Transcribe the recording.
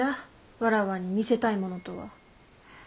わらわに見せたいものとは。